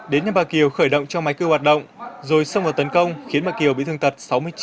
đến nhà bà kiều khởi động cho máy cưu hoạt động rồi xông vào tấn công khiến bà kiều bị thương tật sáu mươi chín